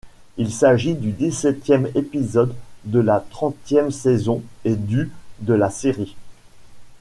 Il s'agit du dix-septième épisode de la trentième saison et du de la série.